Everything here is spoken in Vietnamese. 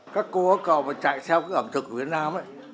các cô ở cầu mà chạy theo cái ẩm thực ở việt nam ấy